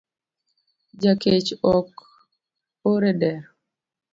Jakech ok or edero